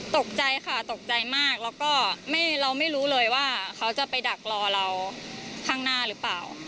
ตกใจค่ะตกใจมากแล้วก็เราไม่รู้เลยว่าเขาจะไปดักรอเราข้างหน้าหรือเปล่า